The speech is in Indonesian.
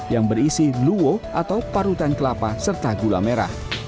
yang berisi luo atau parutan kelapa serta gula merah